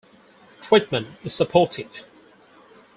Treatment is supportive.